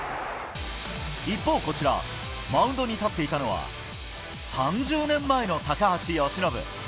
一方、こちら、マウンドに立っていたのは、３０年前の高橋由伸。